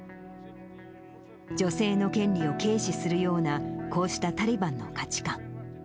女性の権利を軽視するような、こうしたタリバンの価値観。